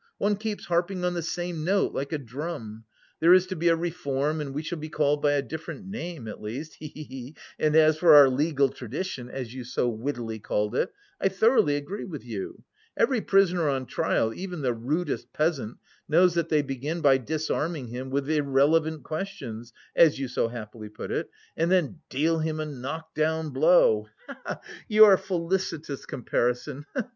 One keeps harping on the same note, like a drum! There is to be a reform and we shall be called by a different name, at least, he he he! And as for our legal tradition, as you so wittily called it, I thoroughly agree with you. Every prisoner on trial, even the rudest peasant, knows that they begin by disarming him with irrelevant questions (as you so happily put it) and then deal him a knock down blow, he he he! your felicitous comparison, he he!